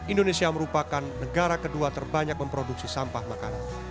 indonesia merupakan negara kedua terbanyak memproduksi sampah makanan